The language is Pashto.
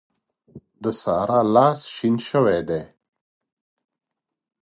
د سارا لاس شين شوی دی.